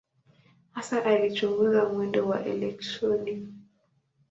Hasa alichunguza mwendo wa elektroni.